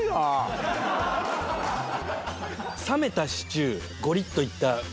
冷めたシチューゴリッといった感じか。